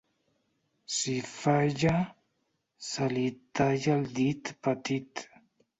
Si falla, se li talla el dit petit.